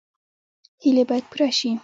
هیلې باید پوره شي